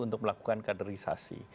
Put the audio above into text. untuk melakukan kaderisasi